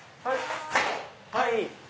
はい。